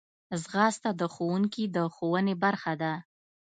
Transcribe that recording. ځغاسته د ښوونکي د ښوونې برخه ده